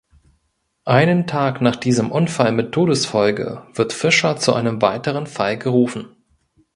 Einen Tag nach diesem Unfall mit Todesfolge wird Fischer zu einem weiteren Fall gerufen.